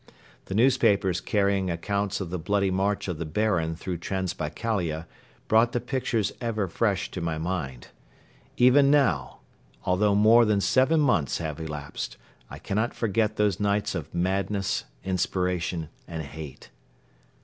The newspapers carrying accounts of the bloody march of the Baron through Transbaikalia brought the pictures ever fresh to my mind. Even now, although more than seven months have elapsed, I cannot forget those nights of madness, inspiration and hate.